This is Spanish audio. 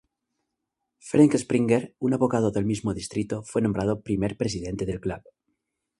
Ferenc Springer, un abogado del mismo distrito, fue nombrado primer presidente del club.